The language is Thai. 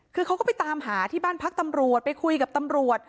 คือเขาก็ไปตามหาที่บ้านพักตำรวจไปคุยกับตำรวจ